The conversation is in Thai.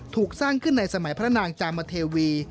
ถูกสร้างขึ้นในสมัยพระนางจามเทวี